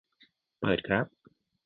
เปิดครับ